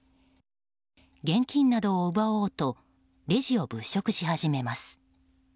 現金などを奪おうとレジを物色し始めます。